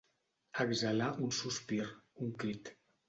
Exhalar un sospir, un crit.